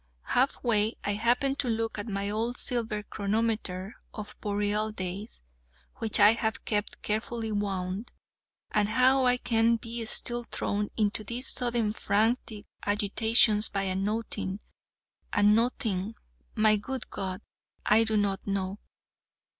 Half way I happened to look at my old silver chronometer of Boreal days, which I have kept carefully wound and how I can be still thrown into these sudden frantic agitations by a nothing, a nothing, my good God! I do not know.